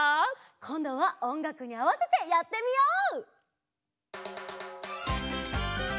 こんどはおんがくにあわせてやってみよう！